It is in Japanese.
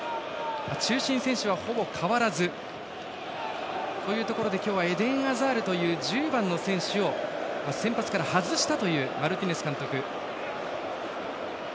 中心選手はほぼ変わらずというところで今日はエデン・アザールという１０番の選手を先発から外したというマルティネス監督。